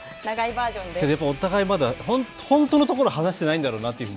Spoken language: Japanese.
お互いまだ本当のところは話してないんだろうなと。